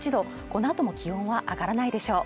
このあとも気温は上がらないでしょう